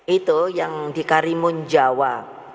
itu yang di karimun jawa